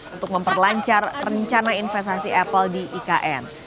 untuk memperlancar rencana investasi apple di ikn